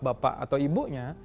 bapak atau ibunya